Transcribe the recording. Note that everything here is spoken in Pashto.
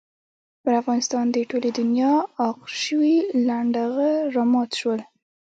پر افغانستان د ټولې دنیا عاق شوي لنډه غر را مات شول.